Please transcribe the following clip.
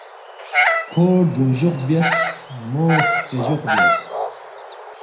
کھو ردُونگ جوخ بیاس, مو ہرژے جوخ بیاس